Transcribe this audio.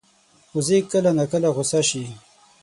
وزې کله ناکله غوسه شي